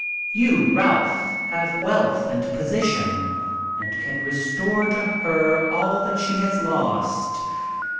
You, Ralph, have wealth and position, and can restore to her all that she has lost."